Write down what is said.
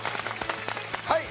はい。